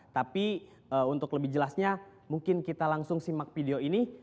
tapi untuk lebih jelasnya mungkin kita langsung simak video ini